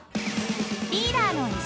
［リーダーの絵